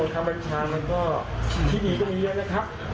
โทษค่ะบรรชามันก็ที่ดีก็มีเยอะนะครับ